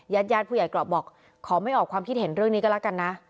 ญาติญาติผู้ใหญ่เกราะบอกขอไม่ออกความคิดเห็นเรื่องนี้ก็แล้วกันนะ